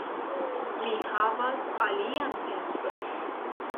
Mi havas alian penson.